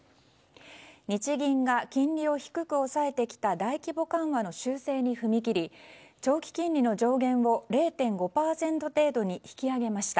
日銀が金利を低く抑えてきた大規模緩和の修正に踏み切り長期金利の上限を０．５％程度に引き上げました。